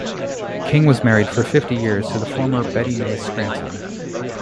King was married for fifty years to the former Betty May Scranton.